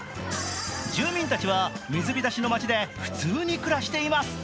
住民たちは水浸しの街で普通に暮らしています。